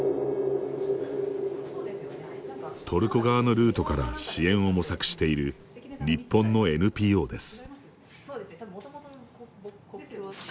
トルコ側のルートから支援を模索している、日本のＮＰＯです。